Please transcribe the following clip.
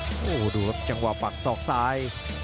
โอ้โหดูครับจังหวะปักศอกซ้าย